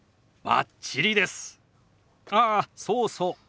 ああそうそう。